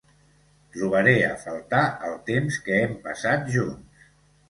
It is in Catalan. Trobaré a faltar el temps que hem passat junts.